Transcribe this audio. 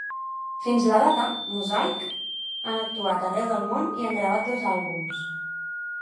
Fins a la data, "Mozaik" han actuat arreu del món i han gravat dos àlbums.